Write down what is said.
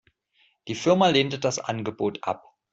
Die Firma lehnte das Angebot ab.